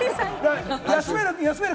休める！